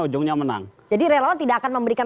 ujungnya menang jadi relawan tidak akan memberikan